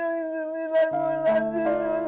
akhirnya udah sembilan bulan